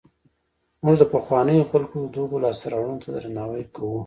موږ د پخوانیو خلکو دغو لاسته راوړنو ته درناوی کوو.